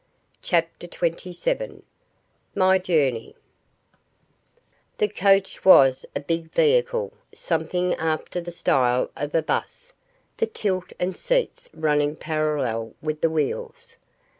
CHAPTER TWENTY SEVEN My Journey The coach was a big vehicle, something after the style of a bus, the tilt and seats running parallel with the wheels.